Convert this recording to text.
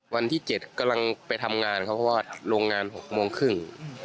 วันที่๗กำลังไปทำงานครับเพราะว่าโรงงาน๖โมงครึ่ง